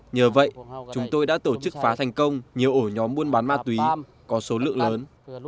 nhờ vậy chúng tôi đã tổ chức phá thành công nhiều ổ nhóm buôn bán ma túy có số lượng lớn